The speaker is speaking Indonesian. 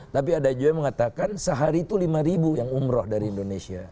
tapi ada juga yang mengatakan sehari itu lima ribu yang umroh dari indonesia